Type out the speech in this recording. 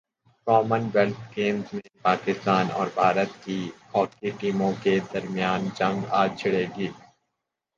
common wealth Games میں پاکستان اور بھارت کی ہاکی ٹیموں کے درمیان جنگ اج چھڑے گی